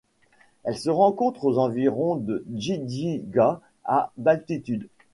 Elle se rencontre aux environs de Djidjiga à d'altitude.